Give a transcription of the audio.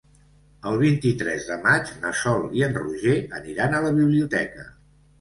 El vint-i-tres de maig na Sol i en Roger aniran a la biblioteca.